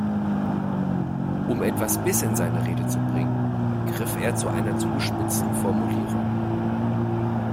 Um etwas Biss in seine Rede zu bringen, griff er zu einer zugespitzten Formulierung.